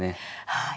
はい。